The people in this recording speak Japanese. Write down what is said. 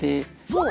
そう！